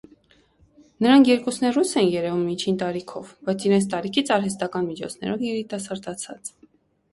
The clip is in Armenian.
Նրանք երկուսն էլ ռուս էին երևում, միջին տարիքով, բայց իրենց տարիքից արհեստական միջոցներով երիտասարդացած: